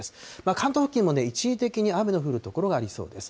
関東付近も一時的に雨の降る所がありそうです。